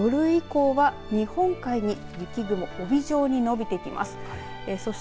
そして、あすの夜以降は日本海に雪雲帯状に伸びてきます。